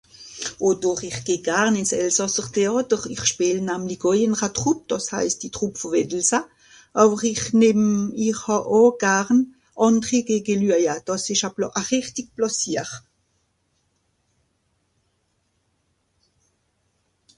Oh doch ich geh garn ìn s Elsàsser Theàter und ìch spìel namlig oi ìn'ra Troupe, dàs heist die Troupe vù Wettelsa. Àwer ich nìmm... ich haa oo garn àndri ge gelüaja. Dàs ìsch a plà... a rìchtig Plàsier.